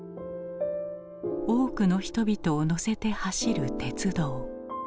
多くの人々を乗せて走る鉄道。